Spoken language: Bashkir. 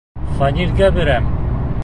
— Фәнилгә бирәм.